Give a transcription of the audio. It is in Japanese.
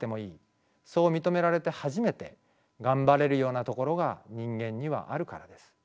そう認められて初めてがんばれるようなところが人間にはあるからです。